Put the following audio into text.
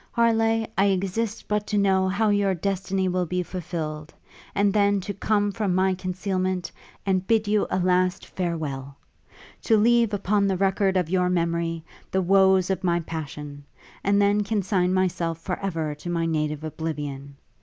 Harleigh, I exist but to know how your destiny will be fulfilled, and then to come from my concealment, and bid you a last farewell! to leave upon the record of your memory the woes of my passion; and then consign myself for ever to my native oblivion.